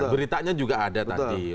beritanya juga ada tadi